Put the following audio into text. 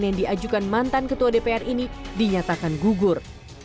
yang diajukan mantan ketua dpr ini dinyatakan gugur